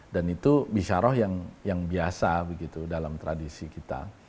dan itu bisharoh yang biasa begitu dalam tradisi kita